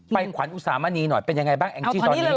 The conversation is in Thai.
ไปเถิงขวัญอุตสามารยีหน่อยเป็นยังไงบ้าง